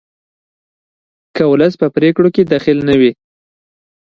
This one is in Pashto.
که ولس په پریکړو کې دخیل نه وي